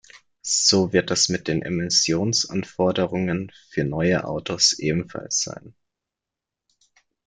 So wird es mit den Emissionsanforderungen für neue Autos ebenfalls sein.